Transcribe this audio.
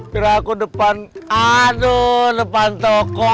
kira aku depan aduh depan toko